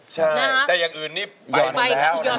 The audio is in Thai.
ใช่แต่อย่างอื่นนี้หย่อนหมดแล้ว